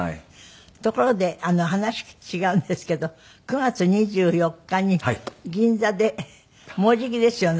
ところで話違うんですけど９月２４日に銀座でもうじきですよね。